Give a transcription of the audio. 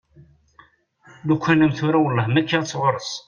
Lukan am tura wellah ma kkiɣ-tt ɣur-s?